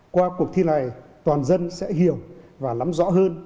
qua cuộc thi này toàn dân sẽ hiểu và lắm rõ hơn